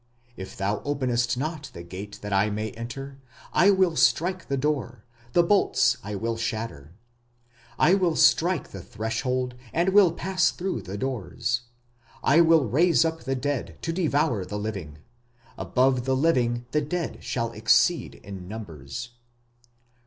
If thou openest not the gate that I may enter I will strike the door, the bolts I will shatter, I will strike the threshold and will pass through the doors; I will raise up the dead to devour the living, Above the living the dead shall exceed in numbers.